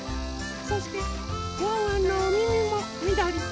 そしてワンワンのおみみもみどり。